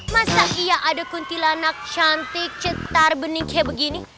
masa iya ada kuntilanak cantik cetar bening kayak begini